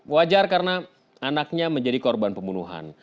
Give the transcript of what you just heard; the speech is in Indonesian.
wajar karena anaknya menjadi korban pembunuhan